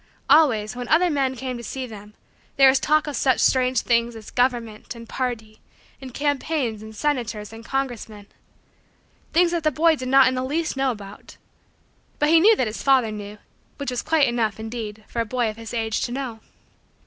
Always, when other men came to see them, there was talk of such strange things as "government" and "party" and "campaigns" and "senators" and "congressmen" things that the boy did not in the least know about but he knew that his father knew, which was quite enough, indeed, for a boy of his age to know.